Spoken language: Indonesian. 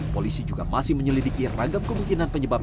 polisi juga masih menyelidiki ragam kemungkinan penyebab